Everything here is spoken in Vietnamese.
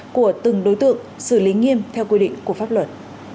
của từng đối tượng xử lý nghiêm theo quy định của pháp luật